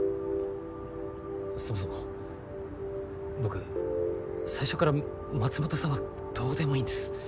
そもそも僕最初から松本さんはどうでもいいんです。